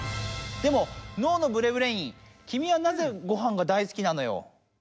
でも脳のブレブレインきみはなぜごはんが大好きなのよ？